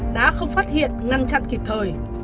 đã không phát hiện ngăn chặn kịp thời